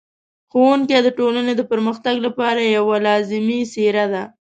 ښوونکی د ټولنې د پرمختګ لپاره یوه لازمي څېره ده.